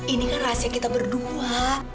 ini kan rahasia kita berdua